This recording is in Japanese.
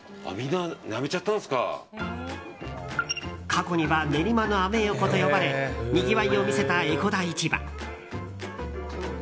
過去には練馬のアメ横と呼ばれにぎわいを見せた江古田市場。